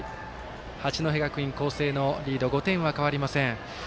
八戸学院光星のリード５点は変わりません。